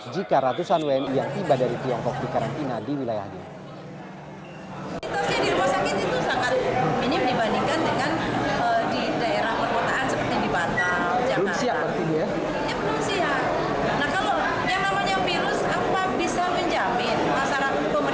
jika ratusan wni yang tiba dari tiongkok dikarantina di wilayahnya